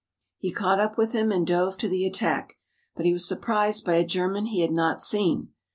He caught up with him and dove to the attack, but he was surprised by a German he had not seen.